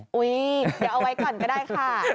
อย่าเอาไว้ก่อนก็ได้ค่ะ